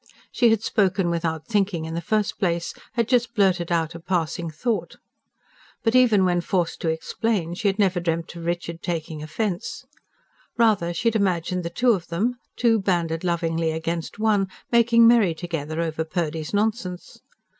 She had spoken without thinking in the first place had just blurted out a passing thought. But even when forced to explain, she had never dreamt of Richard taking offence. Rather she had imagined the two of them two banded lovingly against one making merry together over Purdy's nonsense.